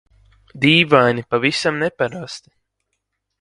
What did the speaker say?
Dīvaini, pavisam neparasti..